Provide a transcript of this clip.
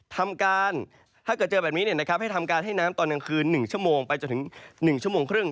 ทำการถ้าเกิดเจอแบบนี้ให้ทำการให้น้ำตอนกลางคืน๑ชั่วโมงไปจนถึง๑ชั่วโมงครึ่ง